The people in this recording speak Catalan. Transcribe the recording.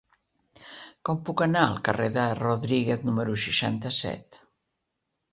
Com puc anar al carrer de Rodríguez número seixanta-set?